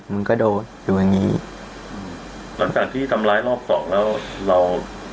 มันก็โดนอยู่อย่างงี้อืมหลังจากที่ทำร้ายรอบสองแล้วเรา